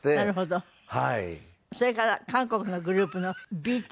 それから韓国のグループのＢＴＳ。